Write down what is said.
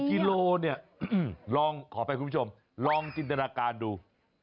กิโลเนี่ยลองขออภัยคุณผู้ชมลองจินตนาการดู